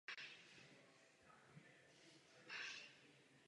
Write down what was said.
Komise ještě nenavrhla žádná speciální opatření.